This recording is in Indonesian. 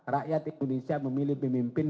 rakyat indonesia memilih pemimpin